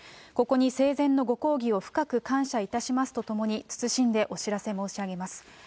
ここに生前のご厚誼を深く感謝いたしますとともに、謹んでお知らせ申し上げます。